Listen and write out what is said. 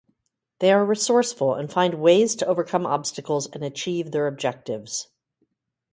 They are resourceful and find ways to overcome obstacles and achieve their objectives.